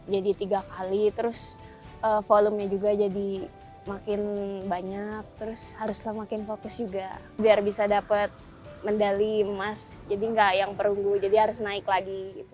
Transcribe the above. jadi tiga kali terus volume nya juga jadi makin banyak terus haruslah makin fokus juga biar bisa dapat medali emas jadi nggak yang perunggu jadi harus naik lagi gitu